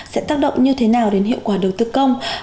sẽ tác động như thế nào đến hiệu quả đầu tư công